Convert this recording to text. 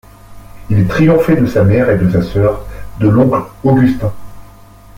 Il triomphait de sa mère et de sa sœur, de l'oncle Augustin.